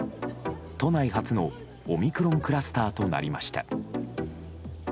都内初のオミクロンクラスターとなりました。